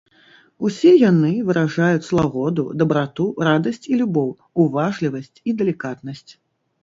Усе яны выражаюць лагоду, дабрату, радасць і любоў, уважлівасць і далікатнасць.